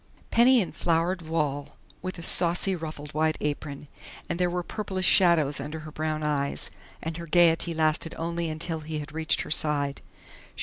Penny in flowered voile, with a saucy, ruffled white apron.... But there were purplish shadows under her brown eyes, and her gayety lasted only until he had reached her side.